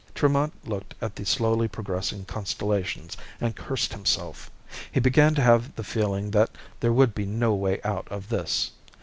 Tremont looked at the slowly progressing constellations and cursed himself. He began to have the feeling that there would be no way out of this.